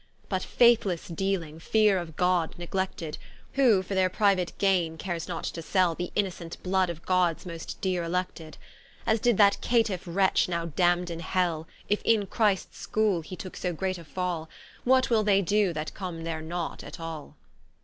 But faithlesse dealing, feare of God neglected; Who for their priuate gaine cares not to sell The Innocent Blood of Gods most deere elected, As did that caytife wretch, now damn'd in Hell: If in Christs Schoole, he tooke so great a fall, What will they doe, that come there not at all.